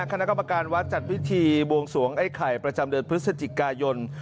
คณะกรรมการวัดจัดพิธีบวงสวงไอ้ไข่ประจำเดือนพฤศจิกายน